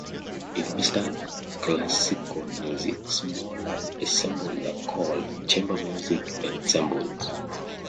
In Western classical music, smaller ensembles are called chamber music ensembles.